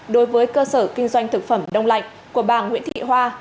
đối với cơ sở kinh doanh thực phẩm đông lạnh của bà nguyễn thị hoa